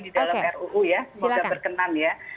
di dalam ruu ya kita berkenan ya